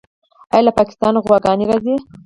آیا له پاکستانه غواګانې راځي؟